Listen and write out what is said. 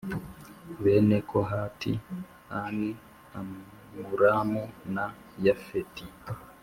Bene Kohati ani Amuramu na yafeti